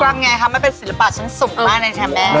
ทำไงคะมันเป็นศิลปะชั้นสูงมากในแชมป์แม่